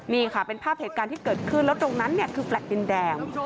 นี่ค่ะเป็นภาพเหตุการณ์ที่เกิดขึ้นแล้วตรงนั้นเนี่ยคือแลต์ดินแดง